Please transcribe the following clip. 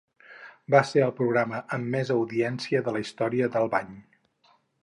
Va ser el programa amb més audiència de la història d'Albany.